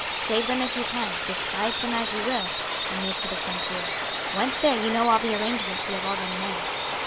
Save them if you can, disguise them as you will, and make for the frontier. Once there you know all the arrangements we have already made."